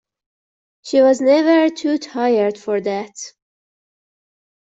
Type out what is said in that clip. She was never too tired for that.